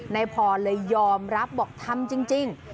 นายพรเลยยอมรับบอกทำจริง